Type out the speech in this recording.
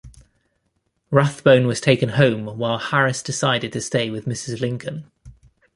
Rathbone was taken home while Harris decided to stay with Mrs. Lincoln.